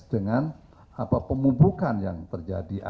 dengan pemumpukan yang terjadi